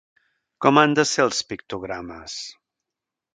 Com han de ser els pictogrames?